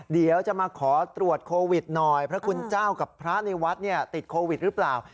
เดี๋ยวจะมาขอตรวจโควิดหน่อยพระคุณเจ้ากับพระในวัดติดโควิดหรือเปล่า